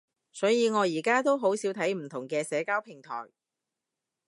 所以我而家都好少睇唔同嘅社交平台